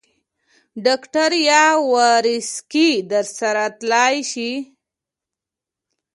ډاکټر یاورسکي در سره ساتلای شې.